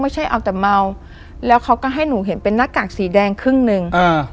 ไม่ใช่เอาแต่เมาแล้วเขาก็ให้หนูเห็นเป็นหน้ากากสีแดงครึ่งหนึ่งอ่า